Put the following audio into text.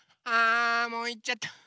あもういっちゃった。